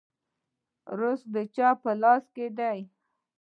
رزق د چا په لاس کې دی؟